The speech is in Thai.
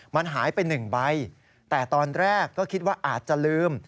มันหายไปหนึ่งใบแต่ตอนแรกก็คิดว่าอาจจะลืม